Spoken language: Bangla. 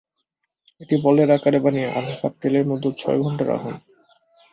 এটি বলের আকারে বানিয়ে আধা কাপ তেলের মধ্যে ছয় ঘণ্টা রাখুন।